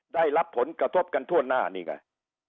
ได้รับผลกระทบกันทั่วหน้านี่ไง